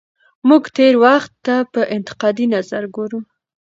موږ تېر وخت ته په انتقادي نظر ګورو.